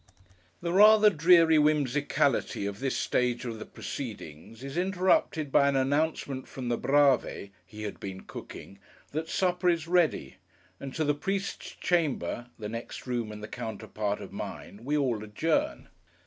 The rather dreary whimsicality of this stage of the proceedings, is interrupted by an announcement from the Brave (he had been cooking) that supper is ready; and to the priest's chamber (the next room and the counterpart of mine) we all adjourn.